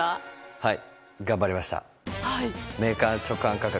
はい！